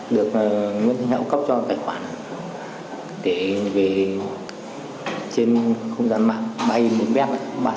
được nguyễn thị hậu cấp cho tài khoản để về trên không gian mạng ba in một bet ba sáu ba sáu tám ba ba sáu